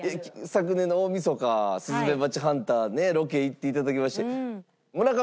昨年の大晦日スズメバチハンターねロケ行って頂きまして。